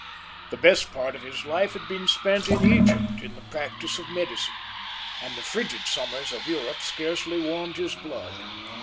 The best part of his life had been spent in Egypt, in the practice of medicine, and the frigid summers of Europe scarcely warmed his blood.